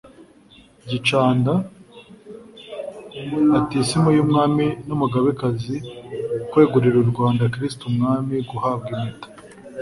gicanda, batisimu y'umwami n'umugabekazi, kwegurira u rwanda kristu umwami, guhabwa impeta